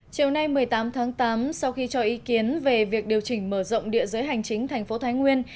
chiều nay một mươi tám tháng tám sau khi cho ý kiến về việc điều chỉnh mở rộng địa giới hành chính thành phố thái nguyên